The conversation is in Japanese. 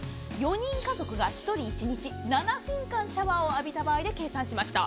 ４人家族が１人１日７分間シャワーを浴びた場合で計算しました。